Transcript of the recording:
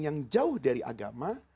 yang jauh dari agama